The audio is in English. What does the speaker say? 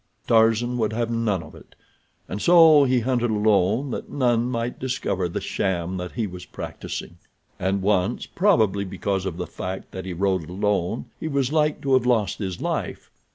Tarzan would have none of it, and so he hunted alone that none might discover the sham that he was practicing. And once, probably because of the fact that he rode alone, he was like to have lost his life.